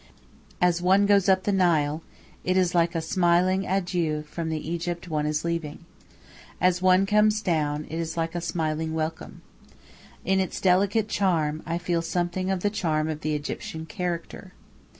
As one goes up the Nile, it is like a smiling adieu from the Egypt one is leaving. As one comes down, it is like a smiling welcome. In its delicate charm I feel something of the charm of the Egyptian character.